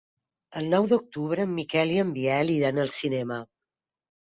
El nou d'octubre en Miquel i en Biel iran al cinema.